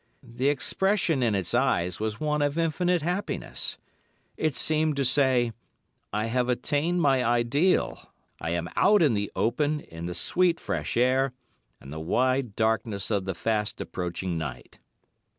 The expression in its eyes was one of infinite happiness. It seemed to say, 'I have attained my ideal; I am out in the open, in the sweet, fresh air, and the wide darkness of the fast approaching night.